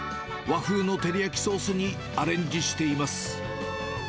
和風の照り焼きソースにアレンジしています。